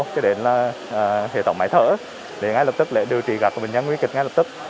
cho đến là hệ thống máy thở để ngay lập tức điều trị các bệnh nhân nguy kịch ngay lập tức